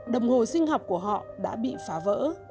đồng hồ sinh học của họ đã bị phá vỡ